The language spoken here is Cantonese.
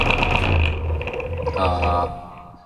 死、驚、傷為三凶門。